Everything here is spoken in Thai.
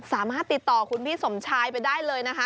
สามารถติดต่อคุณพี่สมชายไปได้เลยนะคะ